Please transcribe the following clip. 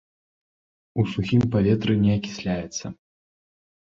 У сухім паветры не акісляецца.